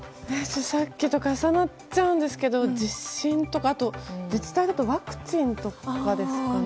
さっきと重なっちゃうんですけど地震とか自治体だとワクチンとかですかね。